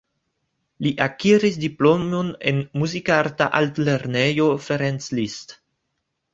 Li akiris diplomon en Muzikarta Altlernejo Ferenc Liszt.